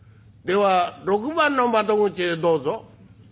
「では６番の窓口へどうぞ」。